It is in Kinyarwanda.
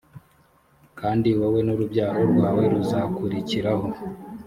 kandi wowe n urubyaro rwawe ruzakurikiraho